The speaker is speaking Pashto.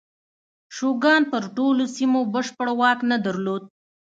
شوګان پر ټولو سیمو بشپړ واک نه درلود.